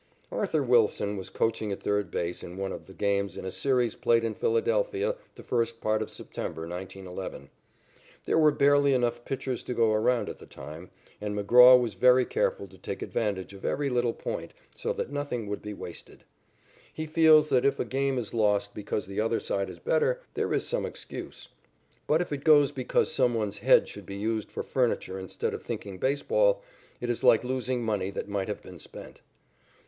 Arthur Wilson was coaching at third base in one of the games in a series played in Philadelphia the first part of September, 1911. There were barely enough pitchers to go around at the time, and McGraw was very careful to take advantage of every little point, so that nothing would be wasted. He feels that if a game is lost because the other side is better, there is some excuse, but if it goes because some one's head should be used for furniture instead of thinking baseball, it is like losing money that might have been spent.